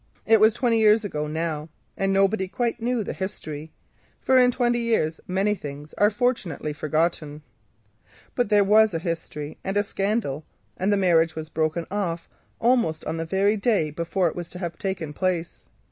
It was twenty years ago now, and nobody quite knew the history, for in twenty years many things are fortunately forgotten. But there was a history, and a scandal, and the marriage was broken off almost on the day it should have taken place.